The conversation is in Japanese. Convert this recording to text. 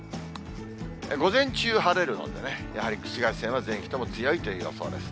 午前中晴れるので、やはり紫外線は全域とも強いという予想です。